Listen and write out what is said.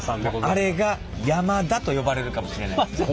あれが山田と呼ばれるかもしれないですね。